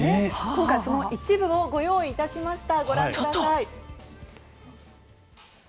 その一部をご用意いたしました。